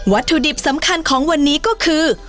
ถุดิบสำคัญของวันนี้ก็คือ